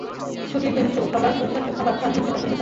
ছুটির দিন সবাই সুস্বাদু খাবারের স্বাদ নিতে পছন্দ করেন।